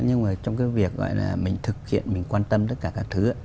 nhưng mà trong cái việc gọi là mình thực hiện mình quan tâm tất cả các thứ